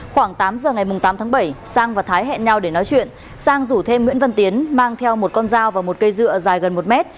khoảng tám giờ ngày tám tháng bảy sang và thái hẹn nhau để nói chuyện sang rủ thêm nguyễn văn tiến mang theo một con dao và một cây dựa dài gần một mét